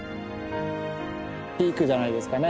ピークじゃないですかね